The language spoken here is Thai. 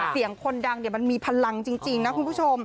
เสียงคนดังมันมีพลังจริงนะคุณผู้ชม